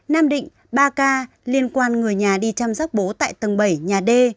nam định ba ca liên quan người nhà đi chăm sóc bố tại tầng bảy nhà d